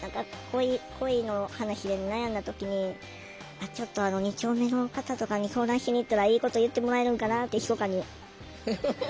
恋の話で悩んだ時にちょっと二丁目の方とかに相談しに行ったらいいこと言ってもらえるんかなってひそかに思ってた。